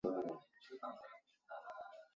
吴郡墓的历史年代为清。